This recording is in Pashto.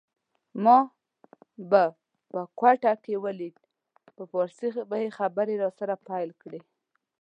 ما به په کوټه کي ولید په پارسي به یې خبري راسره پیل کړې